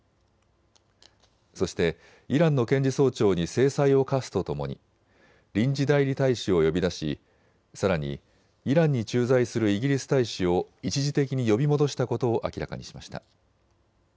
そしてイランの検事総長に制裁を科すとともに臨時代理大使を呼び出しさらにイランに駐在するイギリス大使を一時的に呼び戻したことを明らかにしました。